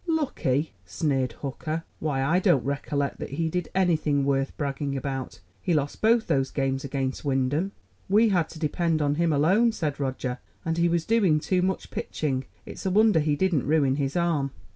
"Lucky!" sneered Hooker. "Why, I don't recollect that he did anything worth bragging about. He lost both those games against Wyndham." "We had to depend on him alone," said Roger; "and he was doing too much pitching. It's a wonder he didn't ruin his arm."